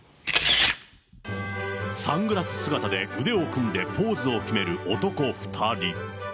サングラス姿で、腕を組んでポーズを決める男２人。